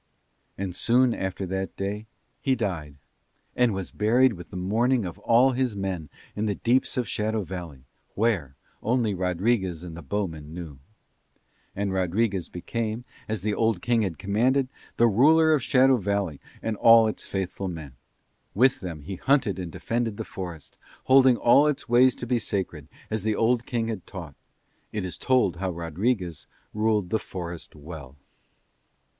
And soon after that day he died, and was buried with the mourning of all his men in the deeps of Shadow Valley, where only Rodriguez and the bowmen knew. And Rodriguez became, as the old king had commanded, the ruler of Shadow Valley and all its faithful men. With them he hunted and defended the forest, holding all its ways to be sacred, as the old king had taught. It is told how Rodriguez ruled the forest well.